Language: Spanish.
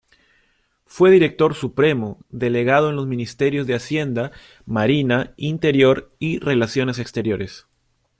Fue director supremo delegado en los ministerios de Hacienda, Marina, Interior y Relaciones Exteriores.